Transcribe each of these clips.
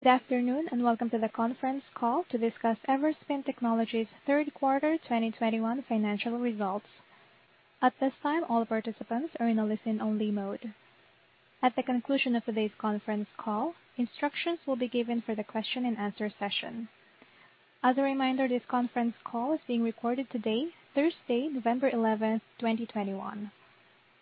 Good afternoon, and welcome to the conference call to discuss Everspin Technologies' third quarter 2021 financial results. At this time, all participants are in a listen-only mode. At the conclusion of today's conference call, instructions will be given for the question-and-answer session. As a reminder, this conference call is being recorded today, Thursday, November 11, 2021.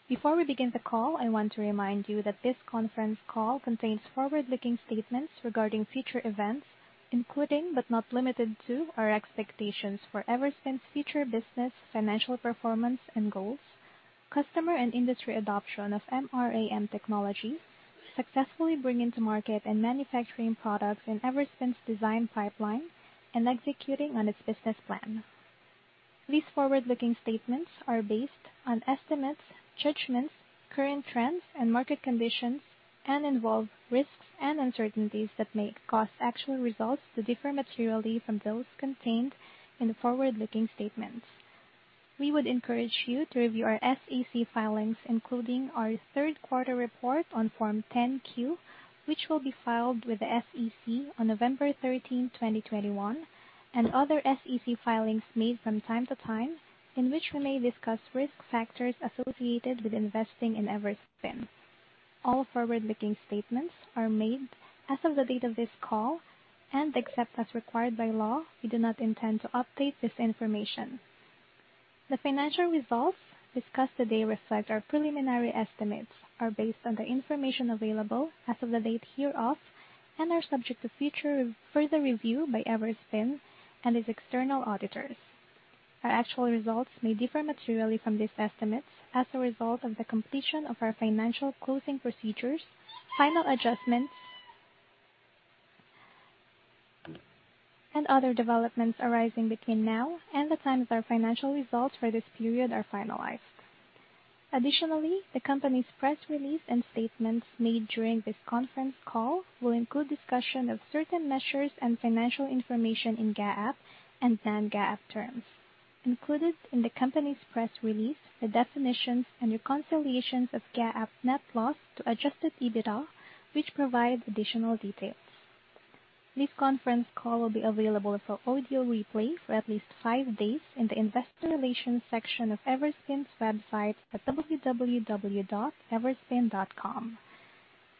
Before we begin the call, I want to remind you that this conference call contains forward-looking statements regarding future events, including, but not limited to, our expectations for Everspin's future business, financial performance and goals, customer and industry adoption of MRAM technology, successfully bringing to market and manufacturing products in Everspin's design pipeline, and executing on its business plan. These forward-looking statements are based on estimates, judgments, current trends and market conditions and involve risks and uncertainties that may cause actual results to differ materially from those contained in the forward-looking statements. We would encourage you to review our SEC filings, including our third quarter report on Form 10-Q, which will be filed with the SEC on November 13, 2021, and other SEC filings made from time to time, in which we may discuss risk factors associated with investing in Everspin. All forward-looking statements are made as of the date of this call, and except as required by law, we do not intend to update this information. The financial results discussed today reflect our preliminary estimates, are based on the information available as of the date hereof, and are subject to future further review by Everspin and its external auditors. Our actual results may differ materially from these estimates as a result of the completion of our financial closing procedures, final adjustments, and other developments arising between now and the time that our financial results for this period are finalized. Additionally, the company's press release and statements made during this conference call will include discussion of certain measures and financial information in GAAP and non-GAAP terms. Included in the company's press release the definitions and reconciliations of GAAP net loss to adjusted EBITDA, which provide additional details. This conference call will be available for audio replay for at least five days in the investor relations section of Everspin's website at www.everspin.com.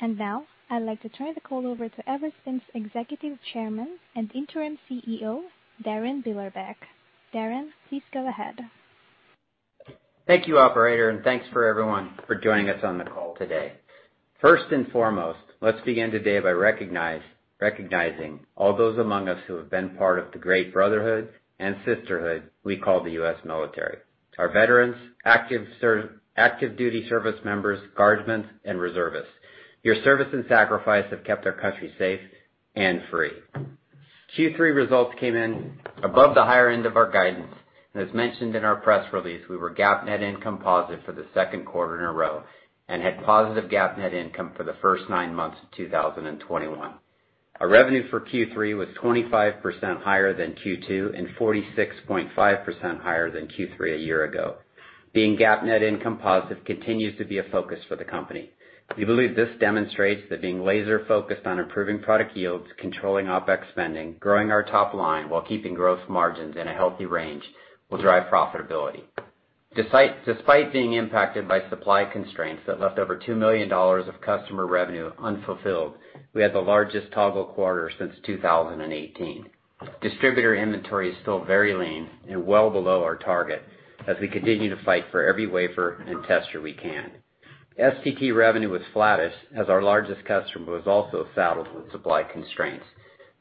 Now I'd like to turn the call over to Everspin's Executive Chairman and Interim CEO, Darin Billerbeck. Darin, please go ahead. Thank you, operator, and thanks for everyone for joining us on the call today. First and foremost, let's begin today by recognizing all those among us who have been part of the great brotherhood and sisterhood we call the U.S. Military. Our veterans, active duty service members, guardsmen, and reservists. Your service and sacrifice have kept our country safe and free. Q3 results came in above the higher end of our guidance, and as mentioned in our press release, we were GAAP net income positive for the second quarter in a row, and had positive GAAP net income for the first nine months of 2021. Our revenue for Q3 was 25% higher than Q2 and 46.5% higher than Q3 a year ago. Being GAAP net income positive continues to be a focus for the company. We believe this demonstrates that being laser-focused on improving product yields, controlling OpEx spending, growing our top line while keeping gross margins in a healthy range will drive profitability. Despite being impacted by supply constraints that left over $2 million of customer revenue unfulfilled, we had the largest Toggle quarter since 2018. Distributor inventory is still very lean and well below our target as we continue to fight for every wafer and tester we can. STT revenue was flattish as our largest customer was also saddled with supply constraints.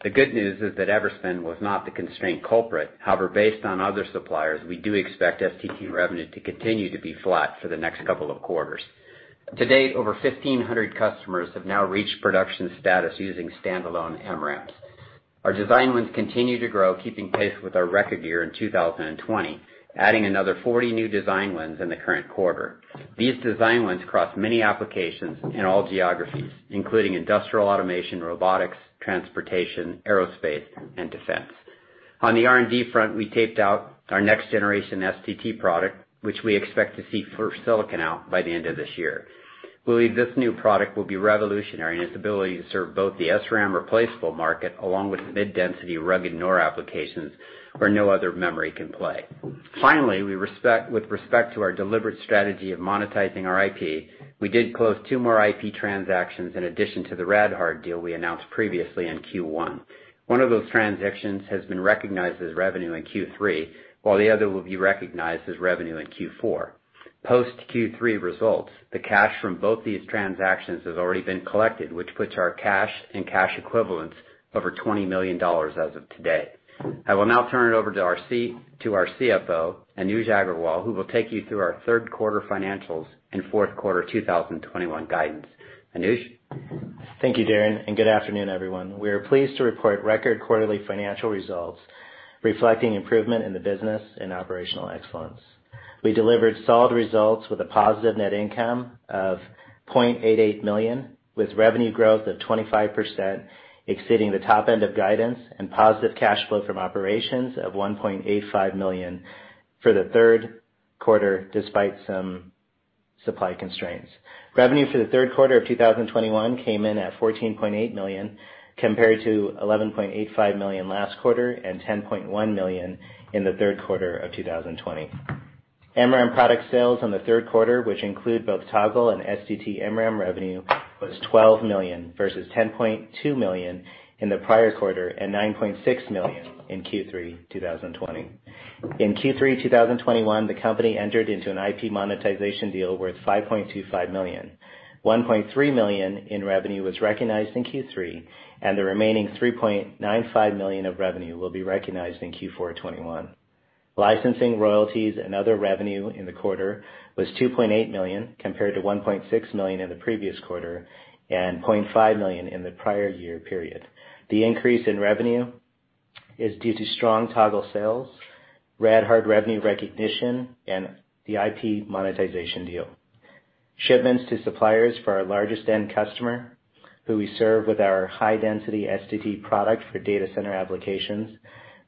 The good news is that Everspin was not the constraint culprit. However, based on other suppliers, we do expect STT revenue to continue to be flat for the next couple of quarters. To date, over 1,500 customers have now reached production status using standalone MRAMs. Our design wins continue to grow, keeping pace with our record year in 2020, adding another 40 new design wins in the current quarter. These design wins cross many applications in all geographies, including industrial automation, robotics, transportation, aerospace, and defense. On the R&D front, we taped out our next generation STT product, which we expect to see first silicon out by the end of this year. We believe this new product will be revolutionary in its ability to serve both the SRAM replaceable market along with mid-density rugged NOR applications where no other memory can play. Finally, with respect to our deliberate strategy of monetizing our IP, we did close two more IP transactions in addition to the RadHard deal we announced previously in Q1. One of those transactions has been recognized as revenue in Q3, while the other will be recognized as revenue in Q4. Post Q3 results, the cash from both these transactions has already been collected, which puts our cash and cash equivalents over $20 million as of today. I will now turn it over to our CFO, Anuj Aggarwal, who will take you through our third quarter financials and fourth quarter 2021 guidance. Anuj? Thank you, Darin, and good afternoon, everyone. We are pleased to report record quarterly financial results reflecting improvement in the business and operational excellence. We delivered solid results with a positive net income of $0.88 million, with revenue growth of 25%, exceeding the top end of guidance and positive cash flow from operations of $1.85 million for the third quarter, despite some Supply constraints. Revenue for the third quarter of 2021 came in at $14.8 million, compared to $11.85 million last quarter and $10.1 million in the third quarter of 2020. MRAM product sales in the third quarter, which include both Toggle and STT-MRAM revenue, was $12 million versus $10.2 million in the prior quarter and $9.6 million in Q3 2020. In Q3 2021, the company entered into an IP monetization deal worth $5.25 million. $1.3 million in revenue was recognized in Q3, and the remaining $3.95 million of revenue will be recognized in Q4 2021. Licensing royalties and other revenue in the quarter was $2.8 million compared to $1.6 million in the previous quarter, and $0.5 million in the prior year period. The increase in revenue is due to strong Toggle sales, RadHard revenue recognition, and the IP monetization deal. Shipments to suppliers for our largest end customer, who we serve with our high-density STT product for data center applications,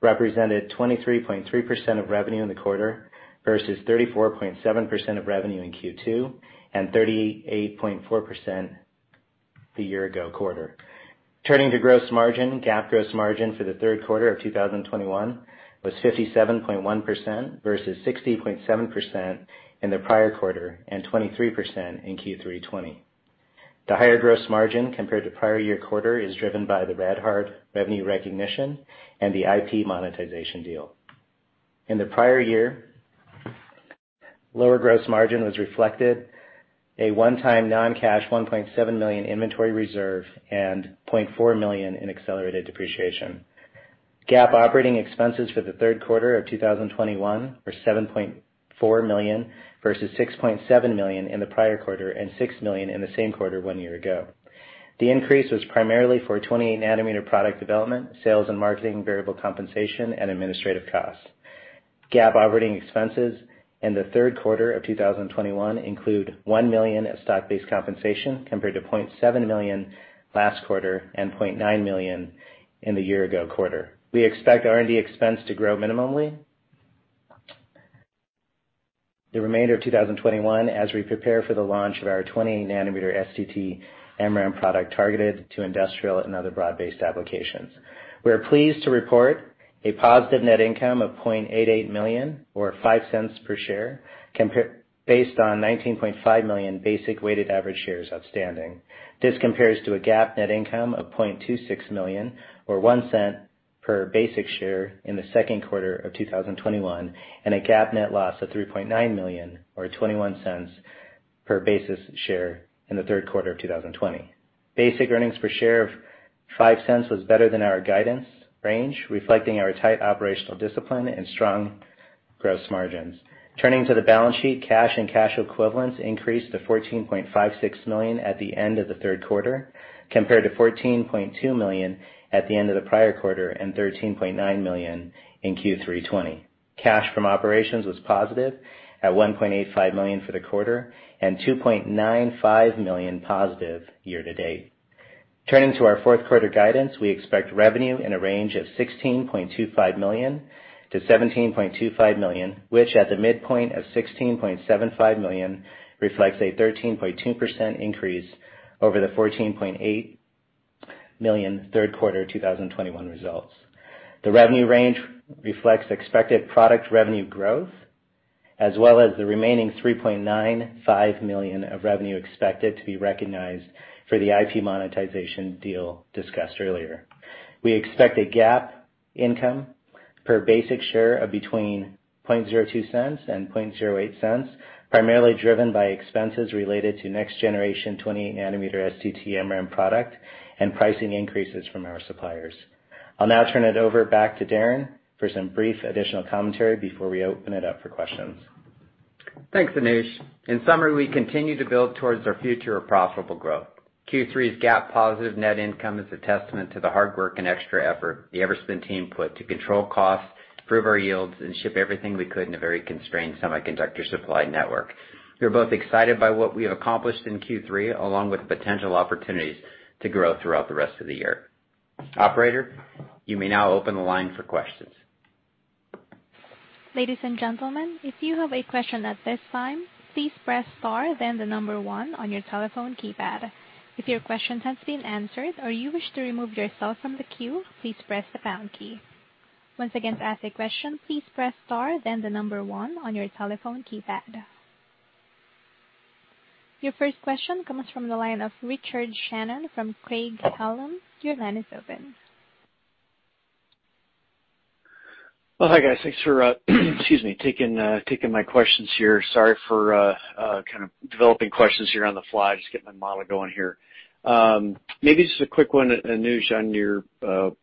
represented 23.3% of revenue in the quarter versus 34.7% of revenue in Q2 and 38.4% the year ago quarter. Turning to gross margin, GAAP gross margin for the third quarter of 2021 was 57.1% versus 60.7% in the prior quarter and 23% in Q3 2020. The higher gross margin compared to prior-year quarter is driven by the RadHard revenue recognition and the IP monetization deal. In the prior year, lower gross margin was reflected in a one-time non-cash $1.7 million inventory reserve and $0.4 million in accelerated depreciation. GAAP operating expenses for the third quarter of 2021 were $7.4 million versus $6.7 million in the prior quarter and $6 million in the same quarter one year ago. The increase was primarily for 20 nm product development, sales and marketing variable compensation, and administrative costs. GAAP operating expenses in the third quarter of 2021 include $1 million of stock-based compensation compared to $0.7 million last quarter and $0.9 million in the year-ago quarter. We expect R&D expense to grow minimally the remainder of 2021 as we prepare for the launch of our 20 nm STT-MRAM product targeted to industrial and other broad-based applications. We are pleased to report a positive net income of $0.88 million or $0.05 per share, based on 19.5 million basic weighted average shares outstanding. This compares to a GAAP net income of $0.26 million or $0.01 per basic share in the second quarter of 2021, and a GAAP net loss of $3.9 million or $0.21 per basic share in the third quarter of 2020. Basic earnings per share of $0.05 was better than our guidance range, reflecting our tight operational discipline and strong gross margins. Turning to the balance sheet, cash and cash equivalents increased to $14.56 million at the end of the third quarter compared to $14.2 million at the end of the prior quarter and $13.9 million in Q3 2020. Cash from operations was positive at $1.85 million for the quarter and $2.95 million positive year to date. Turning to our fourth quarter guidance, we expect revenue in a range of $16.25 million-$17.25 million, which at the midpoint of $16.75 million reflects a 13.2% increase over the $14.8 million third quarter 2021 results. The revenue range reflects expected product revenue growth as well as the remaining $3.95 million of revenue expected to be recognized for the IP monetization deal discussed earlier. We expect a GAAP income per basic share of between $0.02 and $0.08, primarily driven by expenses related to next-generation 20 nm STT-MRAM product and pricing increases from our suppliers. I'll now turn it over back to Darin for some brief additional commentary before we open it up for questions. Thanks, Anuj. In summary, we continue to build towards our future of profitable growth. Q3's GAAP positive net income is a testament to the hard work and extra effort the Everspin team put to control costs, improve our yields, and ship everything we could in a very constrained semiconductor supply network. We are both excited by what we have accomplished in Q3, along with the potential opportunities to grow throughout the rest of the year. Operator, you may now open the line for questions. Your first question comes from the line of Richard Shannon from Craig-Hallum. Your line is open. Well, hi guys. Thanks for taking my questions here. Sorry for kind of developing questions here on the fly. Just getting my model going here. Maybe just a quick one, Anuj, on your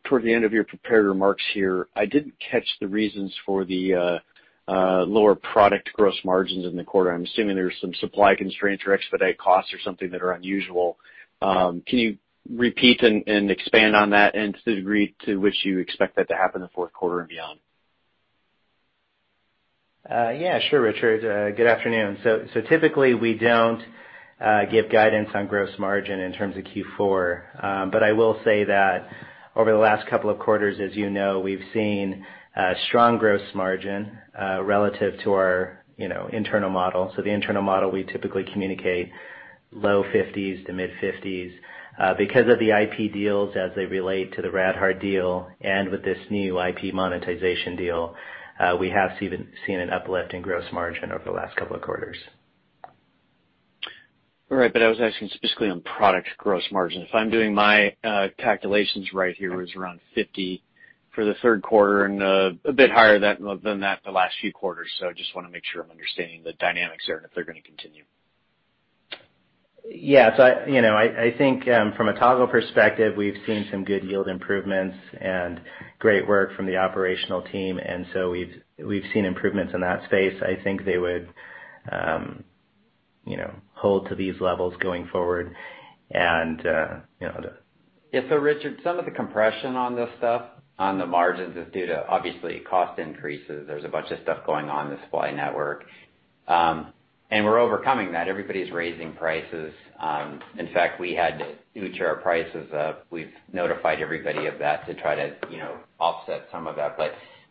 toward the end of your prepared remarks here. I didn't catch the reasons for the lower product gross margins in the quarter. I'm assuming there's some supply constraints or expedite costs or something that are unusual. Can you repeat and expand on that and to the degree to which you expect that to happen in the fourth quarter and beyond? Yeah. Sure, Richard. Good afternoon. Typically we don't Give guidance on gross margin in terms of Q4. I will say that over the last couple of quarters, as you know, we've seen strong gross margin relative to our, you know, internal model. The internal model, we typically communicate low 50s%-mid 50s%. Because of the IP deals as they relate to the RadHard deal and with this new IP monetization deal, we have seen an uplift in gross margin over the last couple of quarters. All right. I was asking specifically on product gross margin. If I'm doing my calculations right here, it was around 50% for the third quarter and a bit higher than that the last few quarters. Just wanna make sure I'm understanding the dynamics there and if they're gonna continue. Yeah, I think, you know, from a Toggle perspective, we've seen some good yield improvements and great work from the operational team. We've seen improvements in that space. I think they would, you know, hold to these levels going forward. You know- Yeah. Richard, some of the compression on this stuff, on the margins is due to obviously cost increases. There's a bunch of stuff going on in the supply network. We're overcoming that. Everybody's raising prices. In fact, we had to move our prices up. We've notified everybody of that to try to, you know, offset some of that.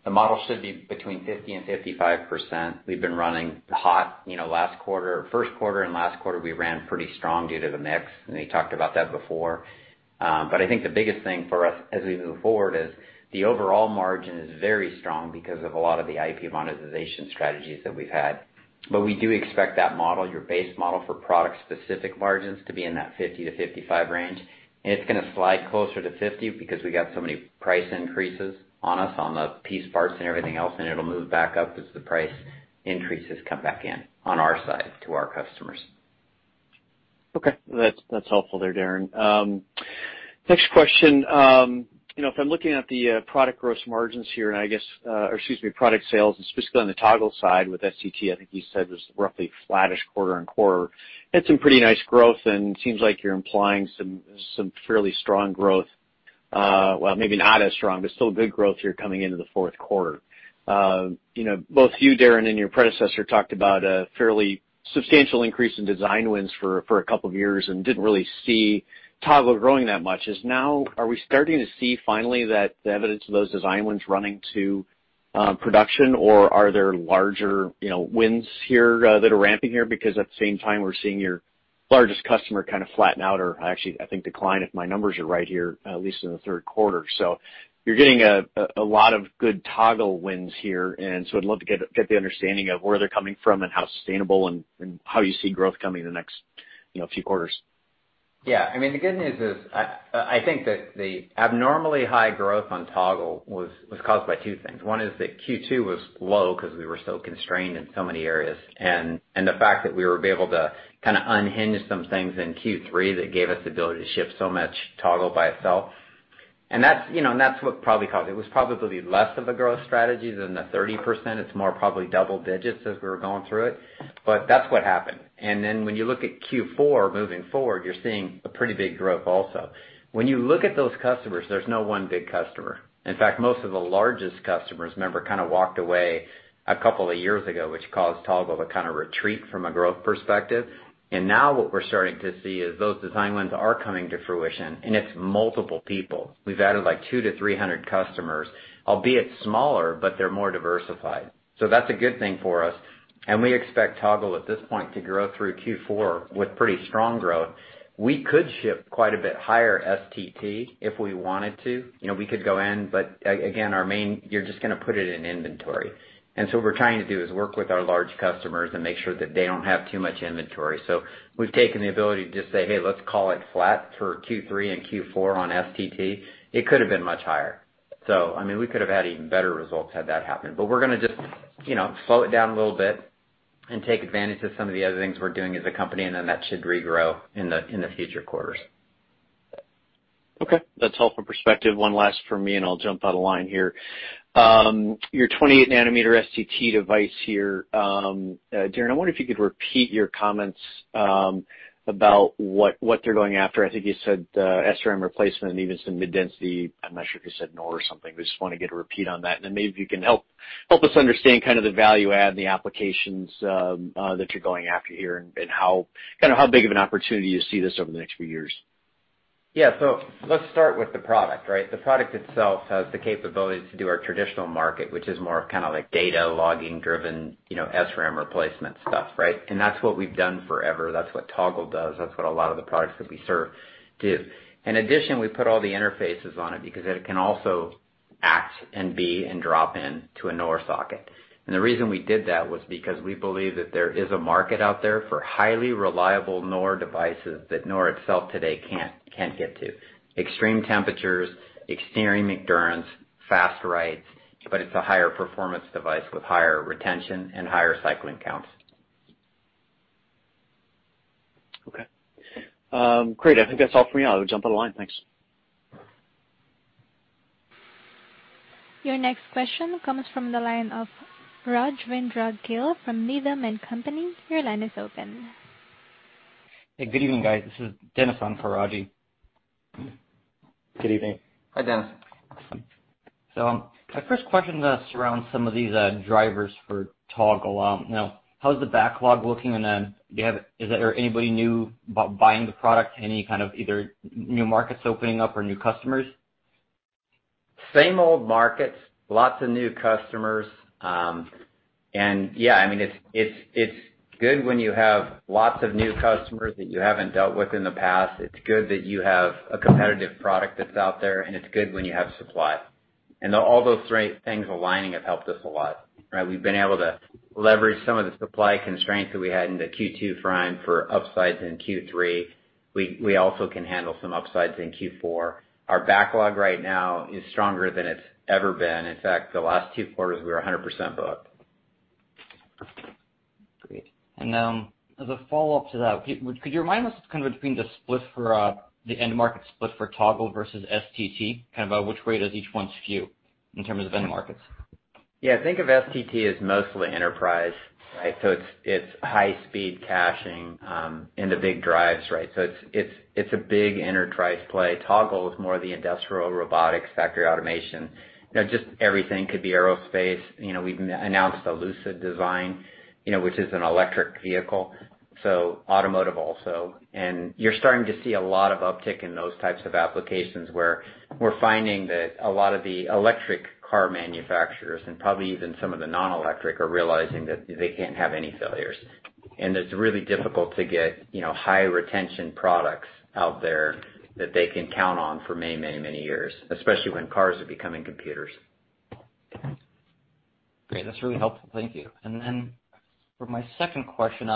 The model should be between 50% and 55%. We've been running hot, you know, last quarter. First quarter and last quarter, we ran pretty strong due to the mix, and we talked about that before. I think the biggest thing for us as we move forward is the overall margin is very strong because of a lot of the IP monetization strategies that we've had. We do expect that model, your base model for product-specific margins, to be in that 50%-55% range. It's gonna slide closer to 50% because we got so many price increases on us on the piece parts and everything else, and it'll move back up as the price increases come back in on our side to our customers. Okay. That's helpful there, Darin. Next question. You know, if I'm looking at the product gross margins here, and I guess, or excuse me, product sales and specifically on the Toggle side with STT, I think you said it was roughly flattish quarter-over-quarter. Had some pretty nice growth, and it seems like you're implying some fairly strong growth, well, maybe not as strong, but still good growth here coming into the fourth quarter. You know, both you, Darin, and your predecessor talked about a fairly substantial increase in design wins for a couple of years and didn't really see Toggle growing that much. Are we starting to see finally the evidence of those design wins running to production or are there larger, you know, wins here that are ramping here? Because at the same time, we're seeing your largest customer kinda flatten out or actually, I think, decline, if my numbers are right here, at least in the third quarter. You're getting a lot of good Toggle wins here, and I'd love to get the understanding of where they're coming from and how sustainable and how you see growth coming in the next, you know, few quarters. Yeah. I mean, the good news is I think that the abnormally high growth on Toggle was caused by two things. One is that Q2 was low 'cause we were so constrained in so many areas. The fact that we would be able to kinda unhinge some things in Q3 that gave us the ability to ship so much Toggle by itself. That's, you know, what probably caused it. It was probably less of a growth strategy than the 30%. It's more probably double digits as we were going through it. That's what happened. Then when you look at Q4 moving forward, you're seeing a pretty big growth also. When you look at those customers, there's no one big customer. In fact, most of the largest customers, remember, kinda walked away a couple of years ago, which caused Toggle to kinda retreat from a growth perspective. Now what we're starting to see is those design wins are coming to fruition, and it's multiple people. We've added, like, 200-300 customers, albeit smaller, but they're more diversified. That's a good thing for us. We expect Toggle at this point to grow through Q4 with pretty strong growth. We could ship quite a bit higher STT if we wanted to. You know, we could go in, but again, you're just gonna put it in inventory. What we're trying to do is work with our large customers and make sure that they don't have too much inventory. We've taken the ability to just say, "Hey, let's call it flat for Q3 and Q4 on STT." It could have been much higher. I mean, we could have had even better results had that happened. We're gonna just, you know, slow it down a little bit and take advantage of some of the other things we're doing as a company, and then that should regrow in the future quarters. Okay. That's helpful perspective. One last question from me, and I'll jump out of line here. Your 28 nanometer STT device here, Darin, I wonder if you could repeat your comments about what they're going after. I think you said SRAM replacement and even some mid density. I'm not sure if you said NOR or something. I just wanna get a repeat on that. Maybe if you can help us understand kind of the value add and the applications that you're going after here and how big of an opportunity you see this over the next few years. Yeah. Let's start with the product, right? The product itself has the capabilities to do our traditional market, which is more of kinda like data logging driven, you know, SRAM replacement stuff, right? That's what we've done forever. That's what Toggle does. That's what a lot of the products that we serve do. In addition, we put all the interfaces on it because it can also act and be and drop in to a NOR socket. The reason we did that was because we believe that there is a market out there for highly reliable NOR devices that NOR itself today can't get to. Extreme temperatures, extreme endurance, fast writes, but it's a higher performance device with higher retention and higher cycling counts. Okay. Great. I think that's all for me. I will jump on the line. Thanks. Your next question comes from the line of Rajvindra Gill from Needham & Company. Your line is open. Hey, good evening, guys. This is Dennis on for Rajiv. Good evening. Hi, Dennis. My first question surrounds some of these drivers for Toggle. How's the backlog looking? Is there anybody new buying the product? Any kind of either new markets opening up or new customers? Same old markets, lots of new customers. Yeah, I mean, it's good when you have lots of new customers that you haven't dealt with in the past. It's good that you have a competitive product that's out there, and it's good when you have supply. All those three things aligning have helped us a lot, right? We've been able to leverage some of the supply constraints that we had in the Q2 frame for upsides in Q3. We also can handle some upsides in Q4. Our backlog right now is stronger than it's ever been. In fact, the last two quarters, we were 100% booked. Great. As a follow-up to that, could you remind us kind of between the split for the end market split for Toggle versus STT? Kind of which way does each one skew in terms of end markets? Yeah. Think of STT as mostly enterprise, right? It's high speed caching into big drives, right? It's a big enterprise play. Toggle is more of the industrial robotics factory automation. You know, just everything. Could be aerospace. You know, we've announced the Lucid design, you know, which is an electric vehicle, so automotive also. You're starting to see a lot of uptick in those types of applications, where we're finding that a lot of the electric car manufacturers, and probably even some of the non-electric, are realizing that they can't have any failures. It's really difficult to get, you know, high retention products out there that they can count on for many, many, many years, especially when cars are becoming computers. Great. That's really helpful. Thank you. Then for my second question,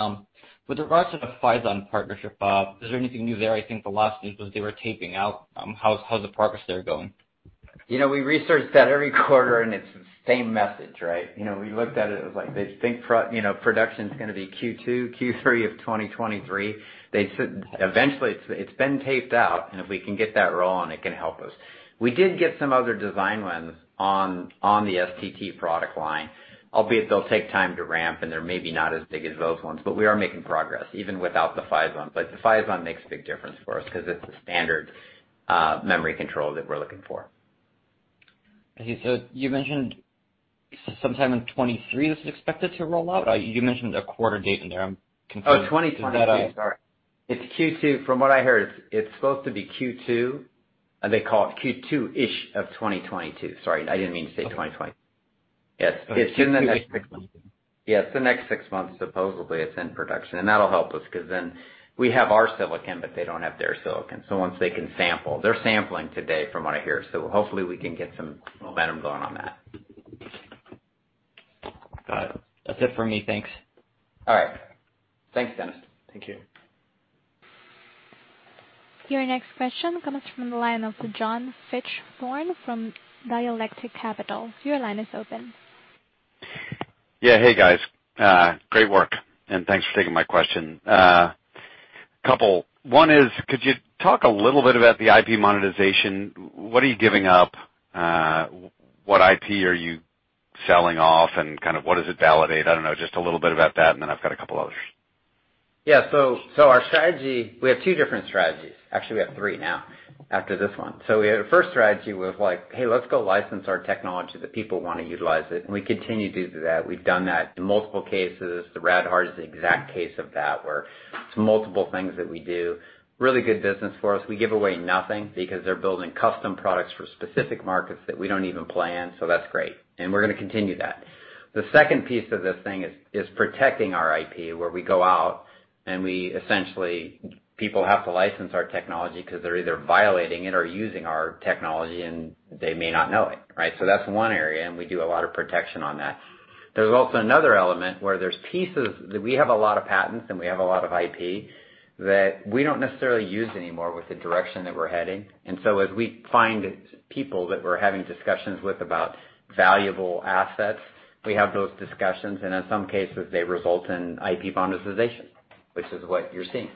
with regards to the Phison partnership, is there anything new there? I think the last piece was they were taping out. How's the progress there going? You know, we research that every quarter and it's the same message, right? You know, we looked at it was like, they think you know, production's gonna be Q2, Q3 of 2023. They said eventually it's been taped out, and if we can get that rolling it can help us. We did get some other design wins on the STT product line, albeit they'll take time to ramp and they're maybe not as big as those ones, but we are making progress even without the Phison. The Phison makes a big difference for us 'cause it's a standard memory controller that we're looking for. Okay. You mentioned sometime in 2023 this is expected to roll out. You mentioned a quarter date in there. I'm confused. Oh, 2022. Sorry. It's Q2. From what I heard it's supposed to be Q2. They call it Q2-ish of 2022. Sorry, I didn't mean to say 2023. Okay. It's in the next six months. Yeah, it's the next six months, supposedly it's in production. That'll help us 'cause then we have our silicon, but they don't have their silicon. Once they can sample, they're sampling today from what I hear, so hopefully we can get some momentum going on that. Got it. That's it for me. Thanks. All right. Thanks, Dennis. Thank you. Your next question comes from the line of John Fichthorn from Dialectic Capital. Your line is open. Yeah. Hey, guys. Great work, and thanks for taking my question. Couple. One is, could you talk a little bit about the IP monetization? What are you giving up? What IP are you selling off, and kind of what does it validate? I don't know, just a little bit about that, and then I've got a couple others. Our strategy, we have two different strategies. Actually we have three now after this one. We had a first strategy was like, hey, let's go license our technology, the people wanna utilize it. We continue to do that. We've done that in multiple cases. The RadHard is the exact case of that, where it's multiple things that we do. Really good business for us. We give away nothing because they're building custom products for specific markets that we don't even play in, so that's great, and we're gonna continue that. The second piece of this thing is protecting our IP, where we go out and we essentially, people have to license our technology 'cause they're either violating it or using our technology and they may not know it, right? That's one area, and we do a lot of protection on that. There's also another element where there's pieces that we have a lot of patents and we have a lot of IP that we don't necessarily use anymore with the direction that we're heading. As we find people that we're having discussions with about valuable assets, we have those discussions, and in some cases, they result in IP monetization, which is what you're seeing.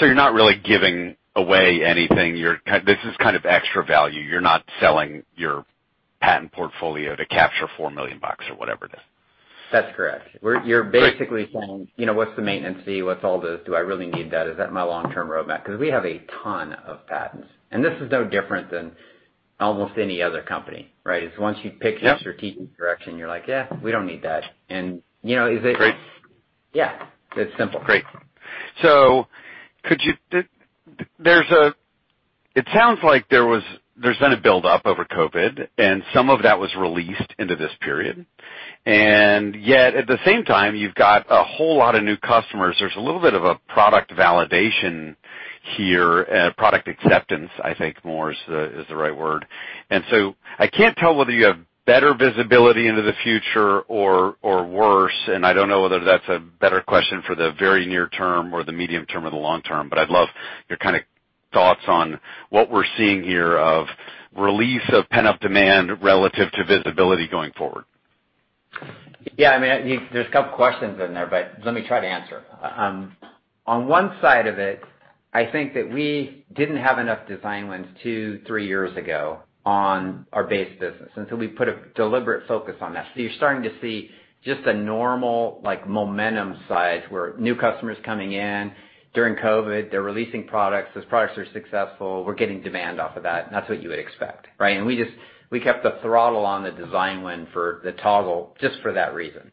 You're not really giving away anything, this is kind of extra value. You're not selling your patent portfolio to capture $4 million or whatever it is. That's correct. Great. You're basically saying, you know, what's the maintenance fee? What's all this? Do I really need that? Is that my long-term roadmap? 'Cause we have a ton of patents. This is no different than almost any other company, right? Is once you pick. Yep. your strategic direction, you're like, "Yeah, we don't need that." You know, is it- Great. Yeah, it's simple. Great. There's been a build up over COVID and some of that was released into this period. Yet, at the same time, you've got a whole lot of new customers. There's a little bit of a product validation here, product acceptance, I think more is the right word. I can't tell whether you have better visibility into the future or worse, and I don't know whether that's a better question for the very near term or the medium term or the long term, but I'd love your kinda thoughts on what we're seeing here of release of pent-up demand relative to visibility going forward. Yeah, I mean, there's a couple questions in there, but let me try to answer. On one side of it, I think that we didn't have enough design wins two, three years ago on our base business until we put a deliberate focus on that. You're starting to see just a normal, like, momentum size, where new customers coming in during COVID, they're releasing products. Those products are successful. We're getting demand off of that, and that's what you would expect, right? We kept the throttle on the design win for the Toggle just for that reason.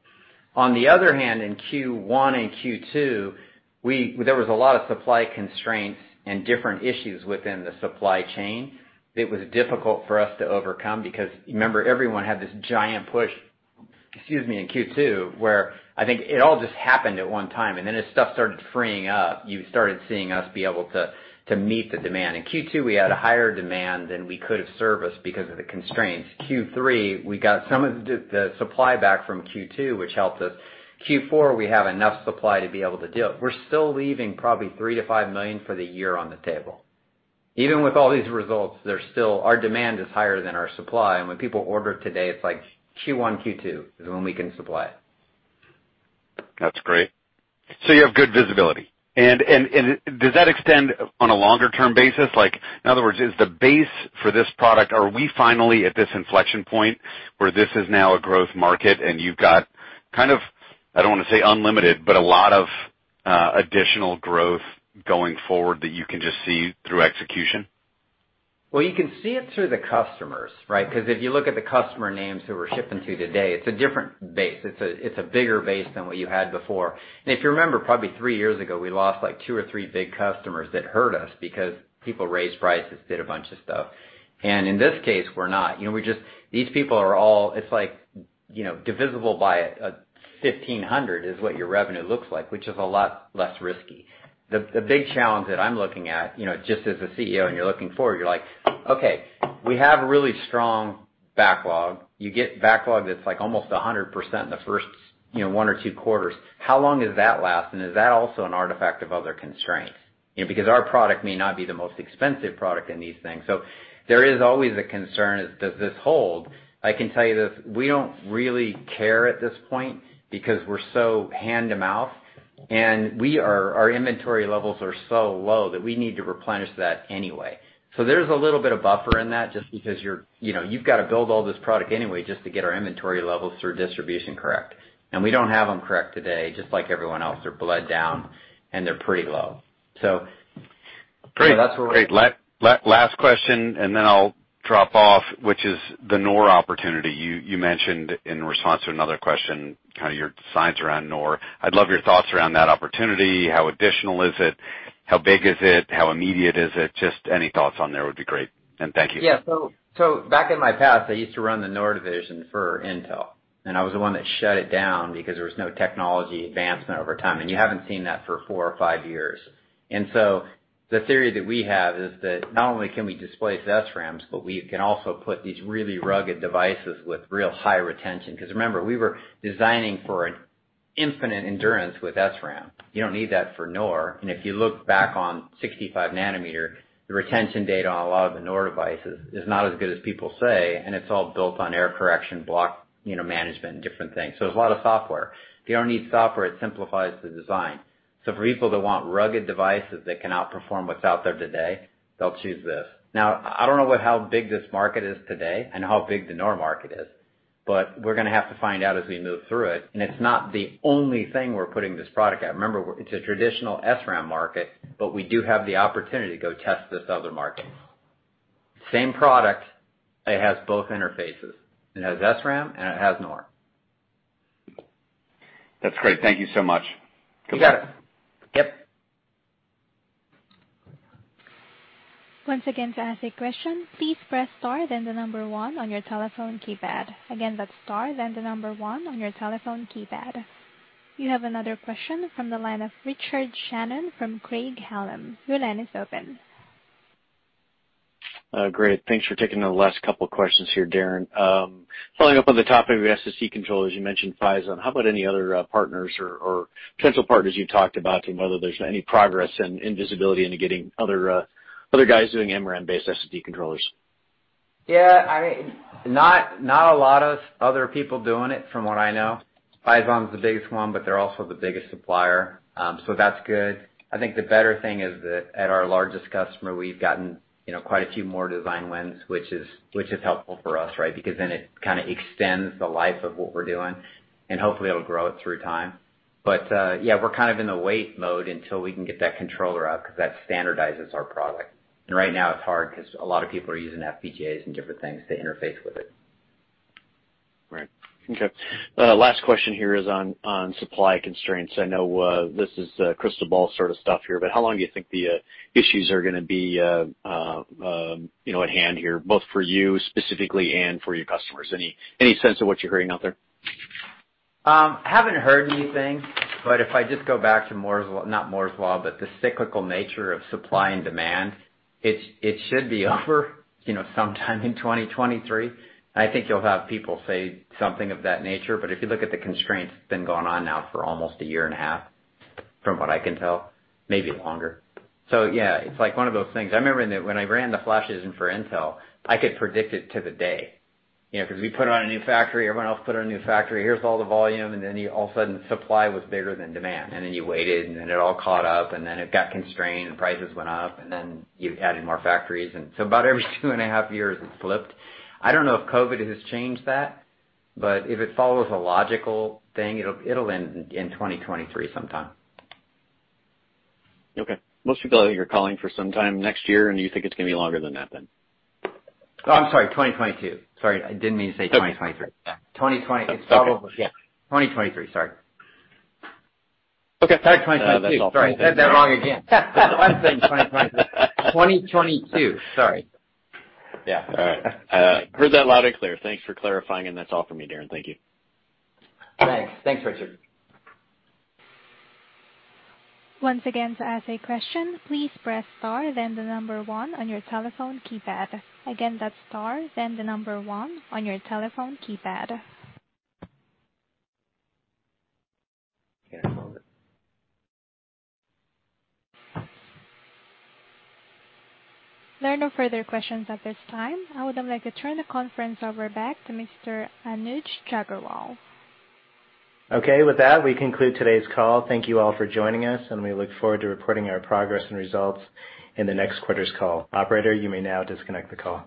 On the other hand, in Q1 and Q2, there was a lot of supply constraints and different issues within the supply chain. It was difficult for us to overcome because, remember, everyone had this giant push, excuse me, in Q2, where I think it all just happened at one time, and then as stuff started freeing up, you started seeing us be able to meet the demand. In Q2, we had a higher demand than we could have serviced because of the constraints. Q3, we got some of the supply back from Q2, which helped us. Q4, we have enough supply to be able to deal. We're still leaving probably $3 million-$5 million for the year on the table. Even with all these results, there's still our demand is higher than our supply, and when people order today, it's like Q1, Q2 is when we can supply it. That's great. You have good visibility. Does that extend on a longer-term basis? Like, in other words, is the base for this product, are we finally at this inflection point where this is now a growth market and you've got kind of, I don't wanna say unlimited, but a lot of additional growth going forward that you can just see through execution? Well, you can see it through the customers, right? 'Cause if you look at the customer names who we're shipping to today, it's a different base. It's a bigger base than what you had before. If you remember, probably 3 years ago, we lost, like, 2 or 3 big customers that hurt us because people raised prices, did a bunch of stuff. In this case, we're not. You know, these people are all. It's like, you know, divisible by 1,500 is what your revenue looks like, which is a lot less risky. The big challenge that I'm looking at, you know, just as a CEO and you're looking forward, you're like, "Okay, we have a really strong backlog." You get backlog that's like almost 100% in the first, you know, 1 or 2 quarters. How long does that last? Is that also an artifact of other constraints? You know, because our product may not be the most expensive product in these things. There is always a concern, does this hold? I can tell you this, we don't really care at this point because we're so hand to mouth, and our inventory levels are so low that we need to replenish that anyway. There's a little bit of buffer in that just because you're, you know, you've got to build all this product anyway just to get our inventory levels through distribution correct. We don't have them correct today, just like everyone else. They're bled down, and they're pretty low. Great. Last question, and then I'll drop off, which is the NOR opportunity. You mentioned in response to another question, kind of your sense around NOR. I'd love your thoughts around that opportunity. How additive is it? How big is it? How immediate is it? Just any thoughts on that would be great. Thank you. Yeah. Back in my past, I used to run the NOR division for Intel, and I was the one that shut it down because there was no technology advancement over time, and you haven't seen that for four or five years. The theory that we have is that not only can we displace SRAMs, but we can also put these really rugged devices with real high retention. Because remember, we were designing for an infinite endurance with SRAM. You don't need that for NOR. If you look back on 65 nm, the retention data on a lot of the NOR devices is not as good as people say, and it's all built on error correction, block, you know, management and different things. It's a lot of software. If you don't need software, it simplifies the design. For people that want rugged devices that can outperform what's out there today, they'll choose this. Now, I don't know how big this market is today and how big the NOR market is, but we're gonna have to find out as we move through it. It's not the only thing we're putting this product out. Remember, it's a traditional SRAM market, but we do have the opportunity to go test this other market. Same product, it has both interfaces. It has SRAM, and it has NOR. That's great. Thank you so much. You got it. Yep. You have another question from the line of Richard Shannon from Craig-Hallum. Your line is open. Great. Thanks for taking the last couple questions here, Darin. Following up on the topic of SSD controllers, you mentioned Phison. How about any other partners or potential partners you've talked about and whether there's any progress in visibility into getting other guys doing MRAM-based SSD controllers? Yeah, I mean, not a lot of other people doing it from what I know. Phison's the biggest one, but they're also the biggest supplier, so that's good. I think the better thing is that at our largest customer, we've gotten, you know, quite a few more design wins, which is helpful for us, right? Because then it kinda extends the life of what we're doing and hopefully it'll grow it through time. Yeah, we're kind of in the wait mode until we can get that controller out because that standardizes our product. Right now it's hard because a lot of people are using FPGAs and different things to interface with it. Right. Okay. Last question here is on supply constraints. I know this is crystal ball sorta stuff here, but how long do you think the issues are gonna be you know at hand here, both for you specifically and for your customers? Any sense of what you're hearing out there? Haven't heard anything, but if I just go back to Moore's Law, not Moore's Law, but the cyclical nature of supply and demand, it should be over, you know, sometime in 2023. I think you'll have people say something of that nature. But if you look at the constraints, it's been going on now for almost a year and a half, from what I can tell, maybe longer. Yeah, it's like one of those things. I remember when I ran the flash business for Intel, I could predict it to the day. You know, 'cause we put on a new factory, everyone else put on a new factory, here's all the volume, and then you all of a sudden supply was bigger than demand. You waited, and then it all caught up, and then it got constrained, and prices went up. Then you added more factories. About every 2.5 years, it's flipped. I don't know if COVID has changed that, but if it follows a logical thing, it'll end in 2023 sometime. Okay. Most people out here are calling for some time next year, and you think it's gonna be longer than that then? Oh, I'm sorry, 2022. Sorry, I didn't mean to say 2023. Okay. Twenty twenty- Okay. Yeah. 2023, sorry. Okay. Sorry, 2022. That's all. Sorry, I said that wrong again. I'm saying 2022, sorry. Yeah. All right. Heard that loud and clear. Thanks for clarifying, and that's all for me, Darin. Thank you. Thanks. Thanks, Richard. Once again, to ask a question, please press star then the number one on your telephone keypad. Again, that's star then the number one on your telephone keypad. Yeah. There are no further questions at this time. I would now like to turn the conference over back to Mr. Anuj Aggarwal. Okay. With that, we conclude today's call. Thank you all for joining us, and we look forward to reporting our progress and results in the next quarter's call. Operator, you may now disconnect the call.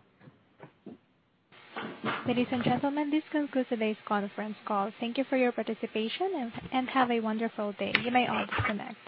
Ladies and gentlemen, this concludes today's conference call. Thank you for your participation and have a wonderful day. You may all disconnect.